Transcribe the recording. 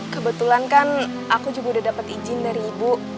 kebetulan kan aku juga udah dapat izin dari ibu